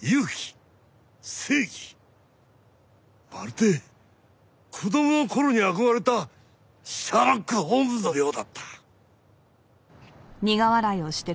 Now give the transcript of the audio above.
まるで子供の頃に憧れたシャーロック・ホームズのようだった。